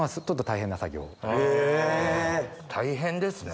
へぇ大変ですね。